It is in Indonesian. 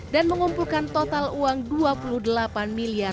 dan mengumpulkan total uang dua puluh miliar